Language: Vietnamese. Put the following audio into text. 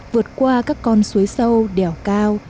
vượt qua các con suối sâu đèo cao